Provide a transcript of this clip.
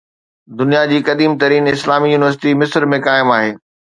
دنيا جي قديم ترين اسلامي يونيورسٽي مصر ۾ قائم آهي.